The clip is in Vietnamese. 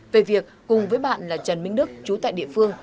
về việc cùng với bạn là trần minh đức chú tại địa phương